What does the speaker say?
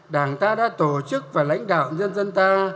đảng ta đã tổ chức và lãnh đạo nhân dân ta